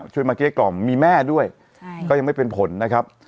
มาเกลี้กล่อมมีแม่ด้วยก็ยังไม่เป็นผลนะครับ